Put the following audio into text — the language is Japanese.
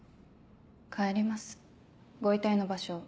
帰りますご遺体の場所を。